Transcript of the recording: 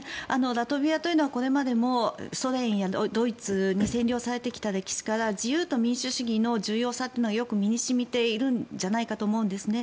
ラトビアというのはこれまでも、ソ連やドイツに占領されてきた歴史から自由と民主主義の重要さというのはよく身に染みているんじゃないかと思うんです。